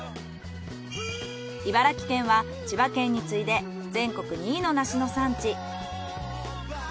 茨城県は千葉県についで全国２位の梨の産地。